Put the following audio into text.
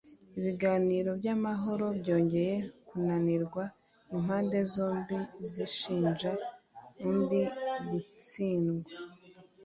Ibiganiro byamahoro byongeye kunanirwa impande zombi zishinja undi gutsindwa